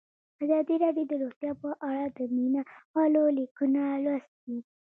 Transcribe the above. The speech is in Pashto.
ازادي راډیو د روغتیا په اړه د مینه والو لیکونه لوستي.